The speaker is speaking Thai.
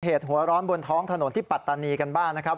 เหตุหัวร้อนบนท้องถนนที่ปัตตานีกันบ้างนะครับ